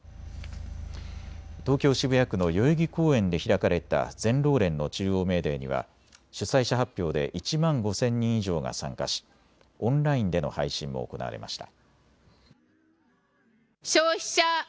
東京渋谷区の代々木公園で開かれた全労連の中央メーデーには主催者発表で１万５０００人以上が参加しオンラインでの配信も行われました。